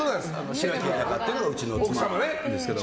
白城あやかっていうのがうちの妻なんですけど。